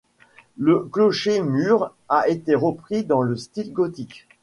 Le clocher-mur a été repris dans le style gothique.